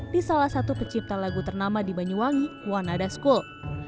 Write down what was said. di salah satu pecipta lagu ternama di banyuwangi wanada school